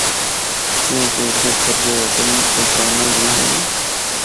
کیانکہ اُردے پردے ہوٹل دوکاناں بھی ہن۔